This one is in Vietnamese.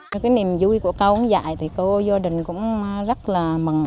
được cái niềm vui của con dạy thì cô gia đình cũng rất là mừng